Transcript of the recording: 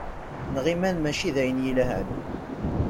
Nɣiman mačči d ayen yelhan.